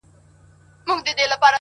که هر څو خلګ ږغېږي چي بدرنګ یم ـ